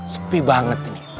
sepi banget ini